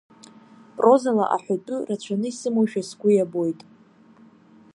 Прозала аҳәатәы рацәаны исымоушәа сгәы иабоит.